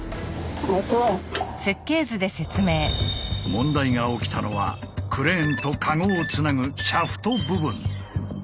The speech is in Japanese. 問題が起きたのはクレーンとカゴをつなぐシャフト部分。